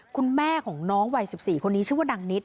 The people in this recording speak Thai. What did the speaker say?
คุณแม่ของน้องวัย๑๔คนนี้ชื่อว่านางนิด